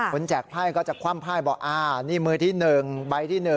แจกไพ่ก็จะคว่ำไพ่บอกนี่มือที่๑ใบที่๑